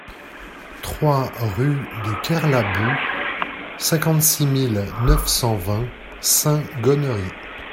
trois rue de Kerlaboux, cinquante-six mille neuf cent vingt Saint-Gonnery